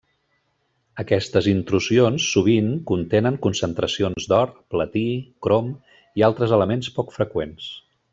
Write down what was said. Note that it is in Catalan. Aquestes intrusions sovint contenen concentracions d'or, platí, crom, i altres elements poc freqüents.